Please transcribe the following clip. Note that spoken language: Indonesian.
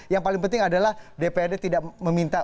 yang paling penting adalah dprd tidak meminta